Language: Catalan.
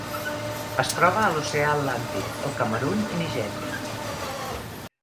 Es troba a l'Oceà Atlàntic: el Camerun i Nigèria.